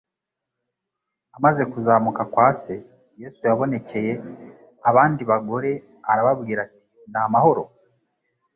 Amaze kuzamuka kwa Se, Yesu yabonekcye abandi bagore arababwira ati: " Ni amahoro !"